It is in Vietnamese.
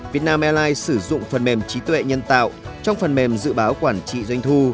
vietnam airlines sử dụng phần mềm trí tuệ nhân tạo trong phần mềm dự báo quản trị doanh thu